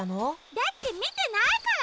だってみてないから。